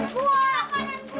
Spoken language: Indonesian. semak makanan itu